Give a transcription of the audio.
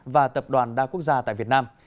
và tập đoàn đa quốc gia tại việt nam